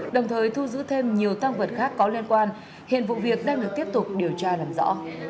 đồng thời thu giữ thêm nhiều tăng vật khác có liên quan hiện vụ việc đang được tiếp tục điều tra làm rõ